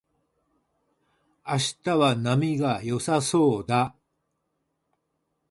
明日は波が良さそうだ